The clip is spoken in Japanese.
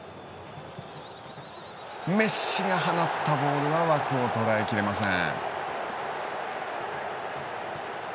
メッシが放ったボールは枠を捉えきれません。